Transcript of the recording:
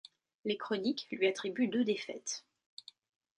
Les chroniques lui attribuent deux défaites.